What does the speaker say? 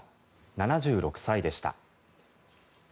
７６歳でした。